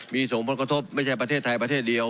มีส่งผลกระทบไม่ใช่ประเทศไทยประเทศเดียว